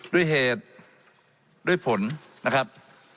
ด้วยเหตุด้วยผลนะครับ